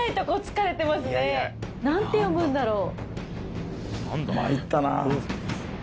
何て読むんだろう？